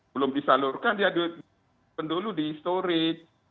belum disalurkan ya disimpan dulu di storage